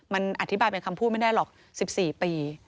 มันอธิบายเป็นคำพูดไม่ได้หรอก๑๔ปี